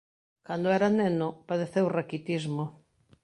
Cando era neno padeceu raquitismo.